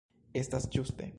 Estas ĝuste.